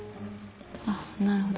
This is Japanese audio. ああなるほど。